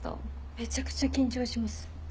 めちゃくちゃ緊張します。だろうね。